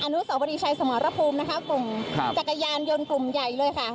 อนุสวรีชัยสมรภูมิตรงจักรยานยนต์กลุ่มใหญ่เลยค่ะ